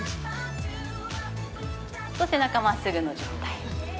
そして中まっすぐの状態。